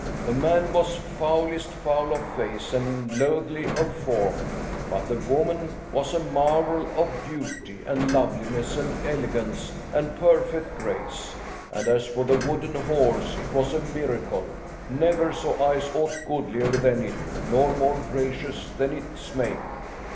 The man was foulest foul of face and loathly of form, but the woman was a marvel of beauty and loveliness and elegance and perfect grace; and as for the wooden horse, it was a miracle, never saw eyes aught goodlier than it nor more gracious than its make."